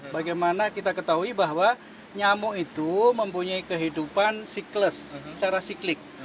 bagaimana kita ketahui bahwa nyamuk itu mempunyai kehidupan siklus secara siklik